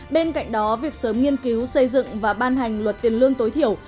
bên cạnh đó việc sớm nghiên cứu xây dựng và ban hành luật tiền lương tối thiểu